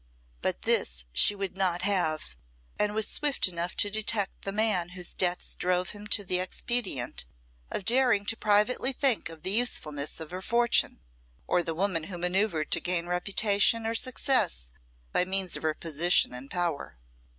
But this she would not have, and was swift enough to detect the man whose debts drove him to the expedient of daring to privately think of the usefulness of her fortune, or the woman who manoeuvred to gain reputation or success by means of her position and power.